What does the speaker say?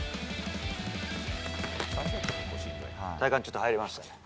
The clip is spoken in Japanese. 体幹、ちょっと入りました。